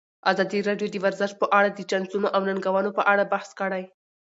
ازادي راډیو د ورزش په اړه د چانسونو او ننګونو په اړه بحث کړی.